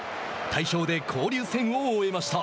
大勝で交流戦を終えました。